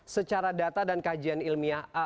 secara data dan kajian ilmiah